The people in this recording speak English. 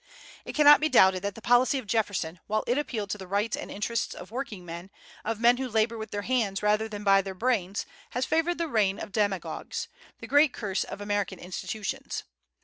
It cannot be doubted that the policy of Jefferson, while it appealed to the rights and interests of "working men," of men who labor with their hands rather than by their brains, has favored the reign of demagogues, the great curse of American institutions.